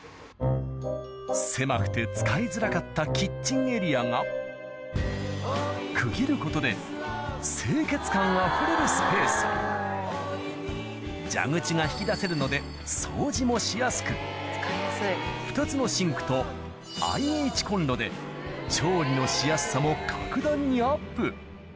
狭くて使いづらかったキッチンエリアが区切ることで清潔感あふれるスペースに蛇口が引き出せるので２つのシンクと調理のしやすさも格段にアップ